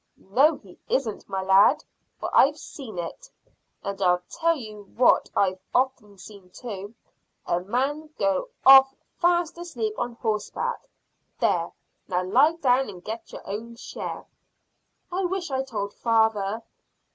"No, he isn't, my lad, for I've seen it; and I tell you what I've often seen too a man go off fast asleep on horseback. There, now lie down and get your own share." "I wish I'd told father."